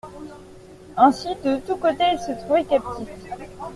Ainsi de tous côtés il se trouvait captif.